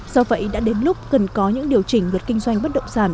do vậy đã đến lúc cần có những điều chỉnh luật kinh doanh bất động sản